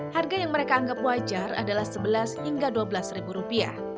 harga yang mereka anggap wajar adalah rp sebelas hingga rp dua belas